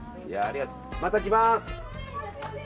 また来ます！